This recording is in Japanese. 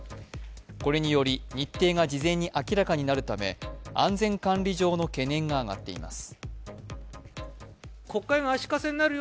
これにより日程が事前に明らかになるため安全管理上の懸念が上がっています。